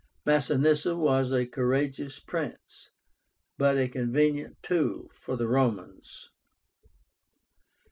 Masinissa was a courageous prince, but a convenient tool for the Romans.